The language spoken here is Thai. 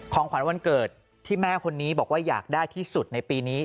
ของขวัญวันเกิดที่แม่คนนี้บอกว่าอยากได้ที่สุดในปีนี้